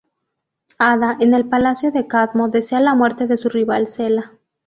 Ada, en el palacio de Cadmo, desea la muerte de su rival Sela.